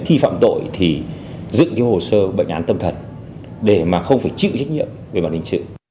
khi phạm tội thì dựng cái hồ sơ bệnh án tâm thần để mà không phải chịu trách nhiệm về mặt hình sự